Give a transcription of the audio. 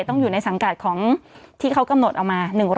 ต้องอยู่ในสังกัดของที่เขากำหนดเอามา